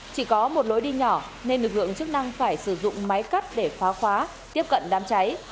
chỉ có một lối đi nhỏ nên lực lượng chức năng phải sử dụng máy cắt để phá khóa tiếp cận đám cháy